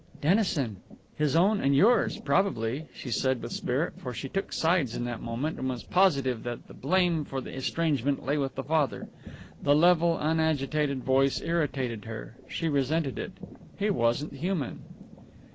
"Dennison; his own and yours probably," she said with spirit, for she took sides in that moment, and was positive that the blame for the estrangement lay with the father. The level, unagitated voice irritated her; she resented it. He wasn't human!